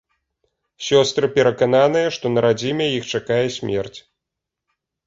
Сёстры перакананыя, што на радзіме іх чакае смерць.